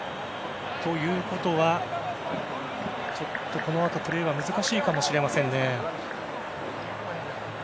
ということはちょっとこのあとプレーは難しいかもしれませんね。